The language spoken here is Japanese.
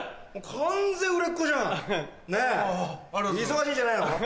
完全売れっ子じゃんねっ忙しいんじゃないの？